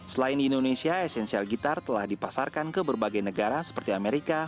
selain di indonesia esensial gitar telah dipasarkan ke berbagai negara seperti amerika